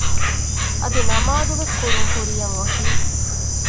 އަދި ނަމާދުވެސް ކުރަން ކުރިޔަށް އޮތީ